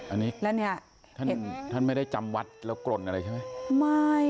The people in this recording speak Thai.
อันนี้ท่านไม่ได้จำวัดแล้วกรดอะไรใช่ไหม